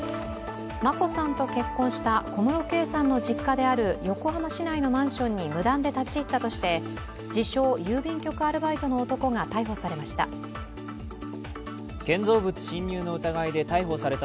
眞子さんと結婚した小室圭さんの実家である横浜市内のマンションに無断で立ち入ったとして、自称・郵便局アルバイトの男が逮捕されました。